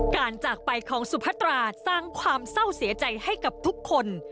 จากไปของสุพัตราสร้างความเศร้าเสียใจให้กับทุกคน